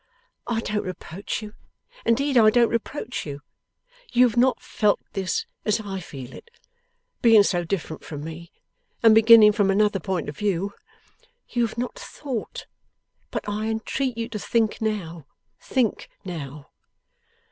I don't reproach you. Indeed I don't reproach you. You have not felt this as I feel it, being so different from me, and beginning from another point of view. You have not thought. But I entreat you to think now, think now!